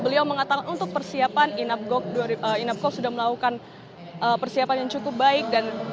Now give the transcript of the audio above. beliau mengatakan untuk persiapan inapgok sudah melakukan persiapan yang cukup baik